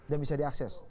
yang bisa diakses